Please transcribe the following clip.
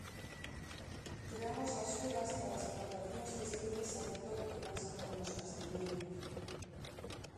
Creamos axudas para as plantacións de especies autóctonas, como os castiñeiros.